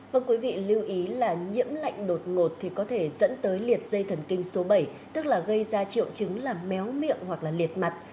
vâng quý vị lưu ý là nhiễm lạnh đột ngột thì có thể dẫn tới liệt dây thần kinh số bảy tức là gây ra triệu chứng là méo miệng hoặc là liệt mặt